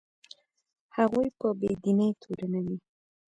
هغوی په بې دینۍ تورنوي.